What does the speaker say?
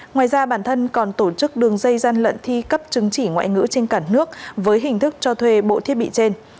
ngoài ra bản thân còn tổ chức đường dây gian lận thi cấp chứng chỉ ngoại ngữ trên cả nước với hình thức cho thuê bộ thiết bị trên